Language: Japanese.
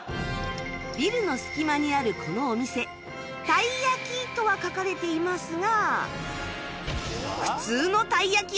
ビルの隙間にあるこのお店「たい焼」とは書かれていますが